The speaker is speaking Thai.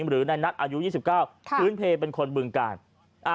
หรือในนัตรอายุยี่สิบเก้าค่ะคืนเพรย์เป็นคนบึงการอ่า